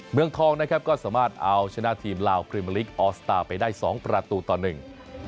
เมืองทองนะครับก็สามารถเอาชนะทีมลาวพรีเมอร์ลิกออสตาร์ไปได้สองประตูต่อหนึ่ง